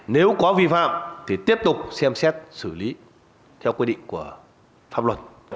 nếu có vi phạm thì tiếp tục xem xét xử lý theo quy định của pháp luật